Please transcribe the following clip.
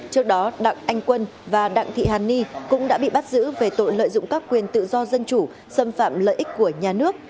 trước đó đặng anh quân và đặng thị hàn ni cũng đã bị bắt giữ về tội lợi dụng các quyền tự do dân chủ xâm phạm lợi ích của nhà nước